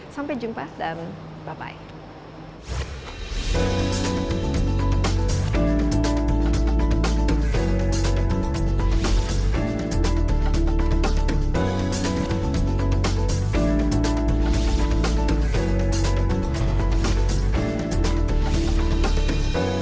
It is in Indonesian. sampai jumpa dan bye bye